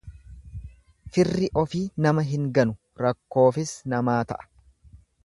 Firri ofii nama hin ganu, rakkoofis namaa ta'a.